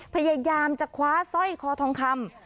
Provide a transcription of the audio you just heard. พยายามจะคว้าสร้อยคอทองคำ